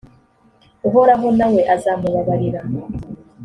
uhoraho na we azamubabarira.